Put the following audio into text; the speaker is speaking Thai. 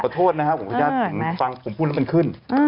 โทษนะครับคุณพระเจ้าผมพูดแล้วมันขึ้น